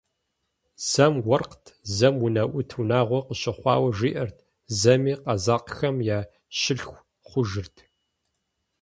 Зэм уэркът, зэм унэӀут унагъуэ къыщыхъуауэ жиӀэрт, зэми къэзакъхэм я щылъху хъужырт.